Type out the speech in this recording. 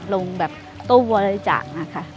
ลงแบบตู้บริจาคนะคะ